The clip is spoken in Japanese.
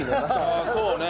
ああそうね。